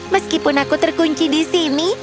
meskipun aku terkunci di sini